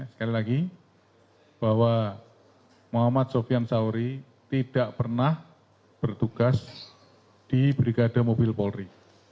sekali lagi bahwa muhammad sofian sauri tidak pernah bertugas di brigade mobil polri